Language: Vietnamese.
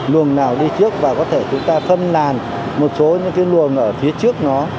luồng nào đi trước và có thể chúng ta phân làn một số những cái luồng ở phía trước nó